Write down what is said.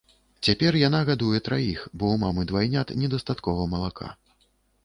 Цяпер яна гадуе траіх, бо ў мамы двайнят недастаткова малака.